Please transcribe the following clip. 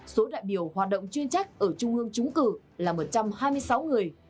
số đại biểu hoạt động chuyên trách ở trung ương trúng cử là một trăm hai mươi sáu người